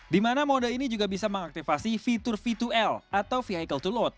di mana mode ini juga bisa mengaktifasi fitur v dua l atau vehicle to load